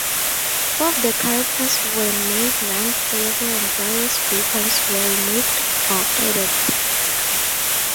Four of the characters were made non-playable and various weapons were removed or added.